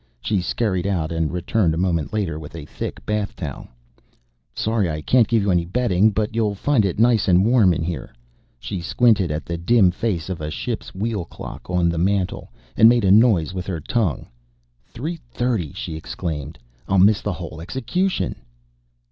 She scurried out, and returned a moment later with a thick bath towel. "Sorry I can't give you any bedding. But you'll find it nice and warm in here." She squinted at the dim face of a ship's wheel clock on the mantle, and made a noise with her tongue. "Three thirty!" she exclaimed. "I'll miss the whole execution